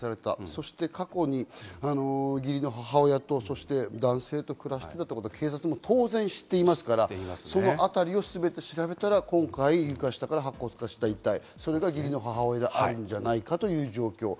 そして過去に義理の母親と男性と暮らしていたということは、警察も知っていますから、そのあたりをすべて調べたら今回、床下から白骨化した遺体が義理の母親であるんじゃないかという状況。